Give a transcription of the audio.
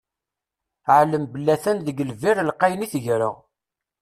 Ɛlem belli a-t-an deg lbir lqayen i tegreɣ.